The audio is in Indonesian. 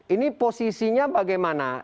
ini posisinya bagaimana